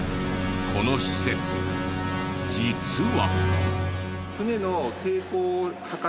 この施設実は。